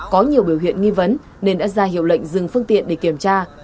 có nhiều biểu hiện nghi vấn nên đã ra hiệu lệnh dừng phương tiện để kiểm tra